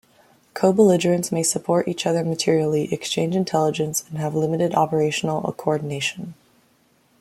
Co-belligerents may support each other materially, exchange intelligence and have limited operational coordination.